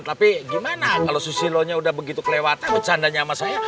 tapi gimana kalau susilo nya udah begitu kelewatan bercandanya sama saya